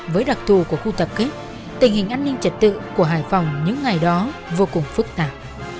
với đặc thù của khu tập kết tình hình an ninh trật tự của hải phòng những ngày đó vô cùng phức tạp